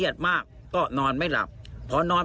พี่ทีมข่าวของที่รักของ